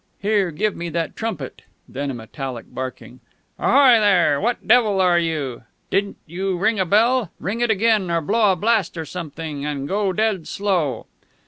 Here, give me that trumpet "_ Then a metallic barking. _"Ahoy there! What the devil are you? Didn't you ring a bell? Ring it again, or blow a blast or something, and go dead slow!"